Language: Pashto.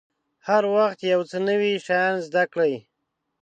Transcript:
هر وخت یو څه نوي شیان زده کړئ.